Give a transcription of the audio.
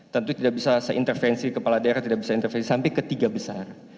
tentu tidak bisa seintervensi kepala daerah tidak bisa intervensi sampai ketiga besar